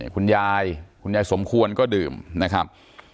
คุณยายคุณยายสมควรก็ดื่มนะครับ